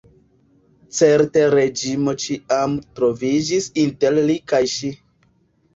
Certe Reĝino ĉiam troviĝis inter li kaj ŝi.